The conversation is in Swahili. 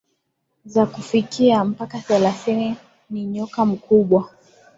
za kufikia mpaka thelathini Ni nyoka mkubwa